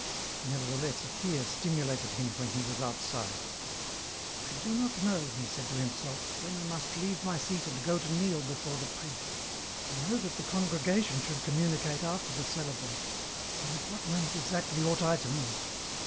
Nevertheless a fear stimulated him when he was outside. *• I do not know," he said to himself, " when I must leave my seat and go to kneel before the priest ; I know that the congregation should communicate after the celebrant ; but at what moment exactly ought I to move